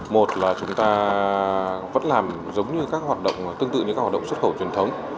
một là chúng ta vẫn làm giống như các hoạt động tương tự như các hoạt động xuất khẩu truyền thống